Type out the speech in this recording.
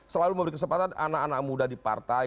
selalu memberi kesempatan anak anak muda di partai